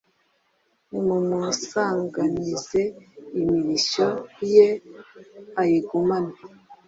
Nimumusanganize imirishyo ye ayigumane